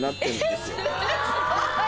すごい！